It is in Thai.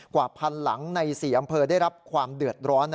กว่าพันหลังใน๔อำเภอได้รับความเดือดร้อน